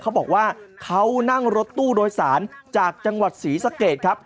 เขาบอกว่าเขานั่งรถตู้โดยสารจากจังหวัดศรีสะเกดครับ